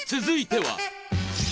続いては。